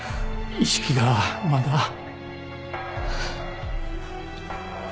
意識がまだ。